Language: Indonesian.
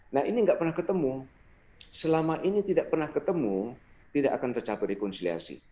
nah ini nggak pernah ketemu selama ini tidak pernah ketemu tidak akan tercapai rekonsiliasi